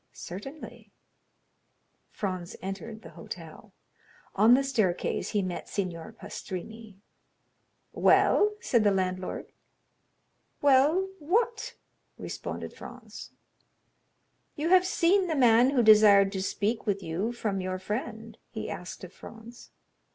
"Certainly." Franz entered the hotel. On the staircase he met Signor Pastrini. "Well?" said the landlord. "Well—what?" responded Franz. "You have seen the man who desired to speak with you from your friend?" he asked of Franz.